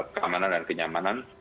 keamanan dan kenyamanan